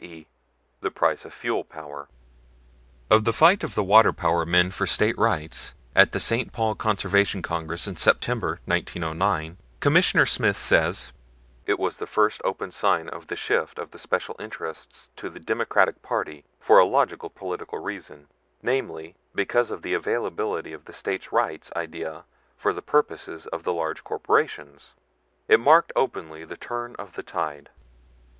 e., the price of fuel power." Of the fight of the water power men for States Rights at the St. Paul Conservation Congress in September, 1909, Commissioner Smith says: "It was the first open sign of the shift of the special interests to the Democratic party for a logical political reason, namely, because of the availability of the States Rights idea for the purposes of the large corporations. It marked openly the turn of the tide."